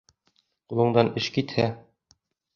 Ҡулыңдан эш китһә